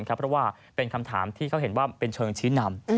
เพราะว่าเป็นคำถามที่เขาเห็นว่าเป็นเชิงชี้นำ